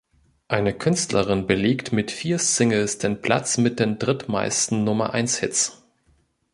Eine Künstlerin belegt mit vier Singles den Platz mit den drittmeisten Nummer-eins-Hits.